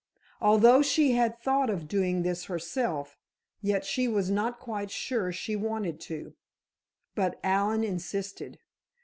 Although she had thought of doing this herself, yet she was not quite sure she wanted to. But Allen insisted.